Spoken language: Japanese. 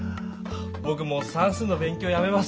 ぼくもう算数の勉強やめます。